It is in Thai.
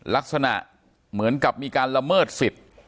ลักษณะเหมือนกับมีการละเมิดสิทธิ์